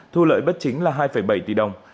thu lời bất chính là hai bảy tỷ đồng